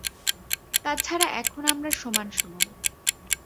তাছাড়া এখন আমরা সমান সমান।